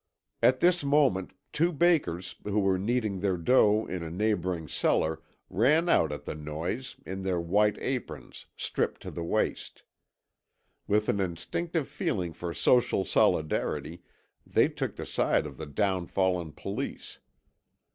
At this moment two bakers who were kneading their dough in a neighbouring cellar ran out at the noise, in their white aprons, stripped to the waist. With an instinctive feeling for social solidarity they took the side of the downfallen police.